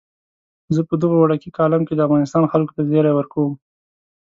زه په دغه وړوکي کالم کې د افغانستان خلکو ته زیری ورکوم.